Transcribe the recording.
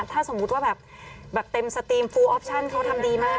ถ้าสมมุติว่าแบบเต็มสตรีมฟูออปชั่นเขาทำดีมาก